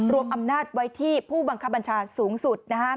อำนาจไว้ที่ผู้บังคับบัญชาสูงสุด